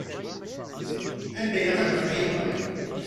Anda ilaq ad neqqim?